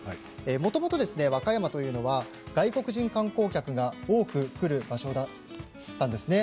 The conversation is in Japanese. もともとは和歌山というのは外国人観光客が多く来る場所だったんですね。